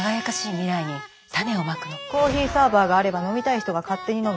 コーヒーサーバーがあれば飲みたい人が勝手に飲む。